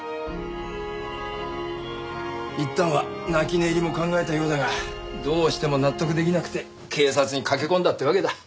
いったんは泣き寝入りも考えたようだがどうしても納得できなくて警察に駆け込んだってわけだ。